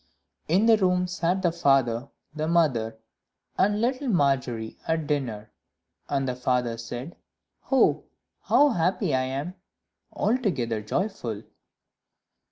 In the room sat the father, the mother, and little Margery at dinner; and the father said, "Oh, how happy I am! altogether joyful."